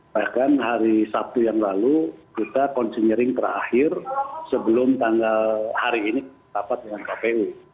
bahkan hari sabtu yang lalu kita konsenering terakhir sebelum tanggal hari ini rapat dengan kpu